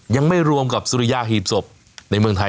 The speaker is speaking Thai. ยังไม่รวมกับสุริยาหีบศพในเมืองไทย